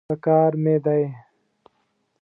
پکار مې دی.